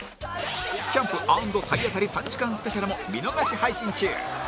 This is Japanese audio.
キャンプ＆体当たり３時間スペシャルも見逃し配信中